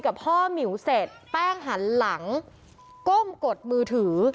เนี๊ยวเสร็จแป้งหันหลังก้มกดมือถือ